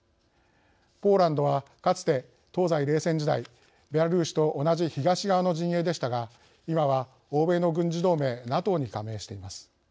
ポーランドはかつて東西冷戦時代ベラルーシと同じ東側の陣営でしたが今は欧米の軍事同盟ＮＡＴＯに加盟しています。